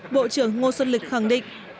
bộ trưởng ngô xuân lịch khẳng định